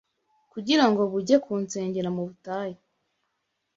kugira ngo bujye kunsengera mu butayu